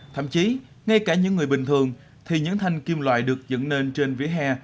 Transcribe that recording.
thậm chí ngay cả những người bình thường thì những thanh kim loại được dựng nên trên vỉa hè